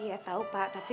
iya tau pak tapi